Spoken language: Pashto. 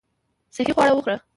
صحي خواړه وخوره .